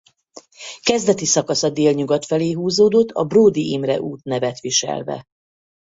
Kezdeti szakasza délnyugat felé húzódott a Bródy Imre út nevet viselve.